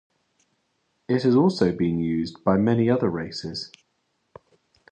It has also been used by many other races.